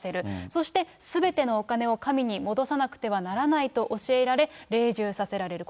そしてすべてのお金を神に戻さなくてはならないと教えられ、隷従させられる。